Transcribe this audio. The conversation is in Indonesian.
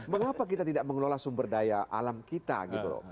mengapa kita tidak mengelola sumber daya alam kita gitu loh